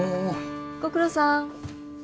ご苦労さん。